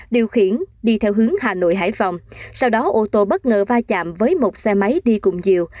điều khiển đi theo hướng hà nội hải phòng sau đó ô tô bất ngờ va chạm với một xe máy đi cùng chiều